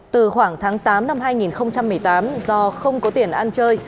từ khoảng tháng tám năm hai nghìn một mươi tám do không có tiền ăn chơi